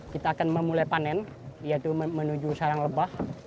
kita akan memulai panen yaitu menuju sarang lebah